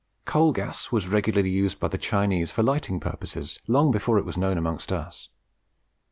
Coal gas was regularly used by the Chinese for lighting purposes long before it was known amongst us.